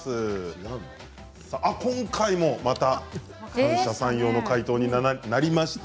今回もまた三者三様の解答になりました。